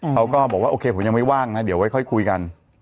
เขาก็บอกว่าโอเคผมยังไม่ว่างนะเดี๋ยวค่อยคุยกัน